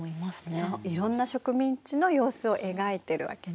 そういろんな植民地の様子を描いてるわけね。